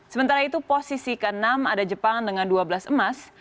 sementara itu posisi ke enam ada jepang dengan dua belas emas